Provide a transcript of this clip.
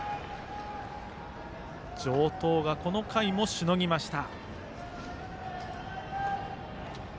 城東がこの回もしのぎました。